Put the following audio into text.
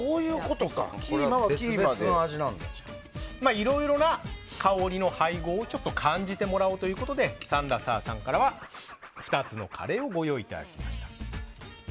いろいろな香りの配合を感じてもらおうということでサンラサーさんからは２つのカレーをご用意いただきました。